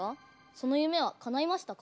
その夢はかないましたか？